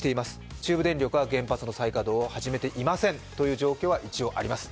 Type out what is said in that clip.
中部電力は原発の再稼働を開始していませんということがあります。